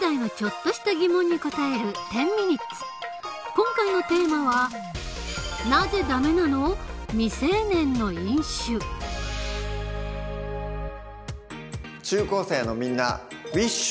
今回のテーマは中高生のみんなウィッシュ！